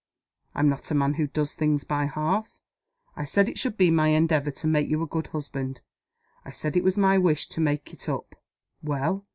_ I'm not a man who does things by halves. I said it should be my endeavor to make you a good husband. I said it was my wish to make it up. Well!